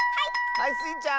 はいスイちゃん。